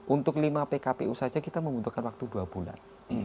untuk lima pkpu saja kita membutuhkan waktu dua bulan